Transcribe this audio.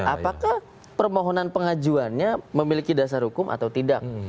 apakah permohonan pengajuannya memiliki dasar hukum atau tidak